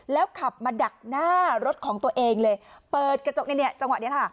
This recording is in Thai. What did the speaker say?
แล้วขับมาดักหน้ารถของตัวเองเลยเปิดกระจกในเนี้ยจังหวะนี้ค่ะ